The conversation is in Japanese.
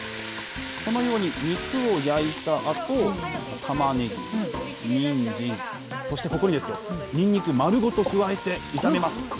このように肉を焼いたあと、たまねぎ、にんじん、そしてここにですよ、にんにく丸ごと加えて炒めます。